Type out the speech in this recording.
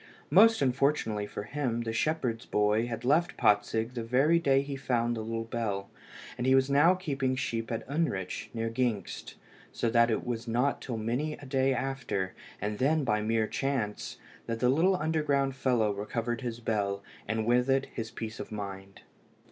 Most unfortunately for him, the shepherd's boy had left Patzig the very day he found the little bell, and he was now keeping sheep at Unrich, near Gingst, so that it was not till many a day after, and then by mere chance, that the little underground fellow recovered his bell, and with it his peace of mind.